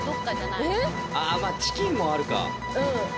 まあチキンもあるか。